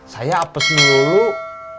saya apes nyuruh